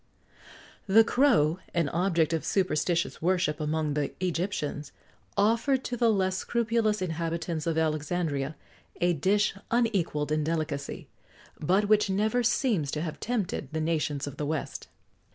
_ The Crow, an object of superstitious worship among the Egyptians,[XX 90] offered to the less scrupulous inhabitants of Alexandria a dish unequalled in delicacy;[XX 91] but which never seems to have tempted the nations of the west.